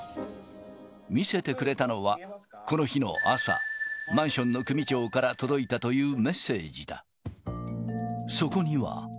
見せてくれたのは、この日の朝、マンションの組長から届いたというメッセージだ。